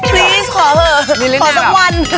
มีความรักของเรา